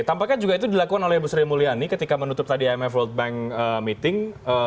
tampaknya juga itu dilakukan oleh ibu sri mulyani ketika menutup tadi imf world bank meeting